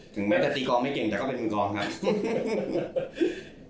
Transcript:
ถึงแม้แต่ตีกองไม่เก่งแต่ก็เป็นมึงกองครับ